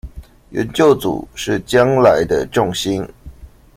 研究組是將來的重心